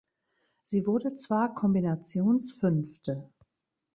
Sie wurde zwar Kombinations-Fünfte.